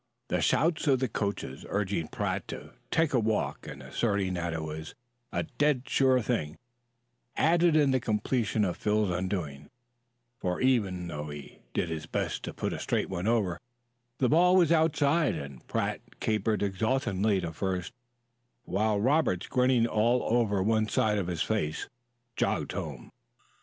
The shouts of the coachers, urging Pratt to "take a walk" and asserting that it was "a dead sure thing," added in the completion of Phil's undoing; for, even though he did his best to put a straight one over, the ball was outside, and Pratt capered exultantly to first, while Roberts, grinning all over one side of his face, jogged home.